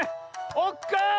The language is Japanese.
おっか！